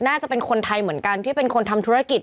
น่าจะเป็นคนไทยเหมือนกันที่เป็นคนทำธุรกิจ